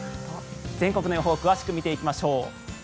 全国の予報詳しく見ていきましょう。